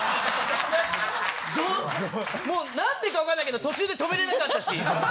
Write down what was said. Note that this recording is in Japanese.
もうなんでか分かんないけど途中で止めれなかったし。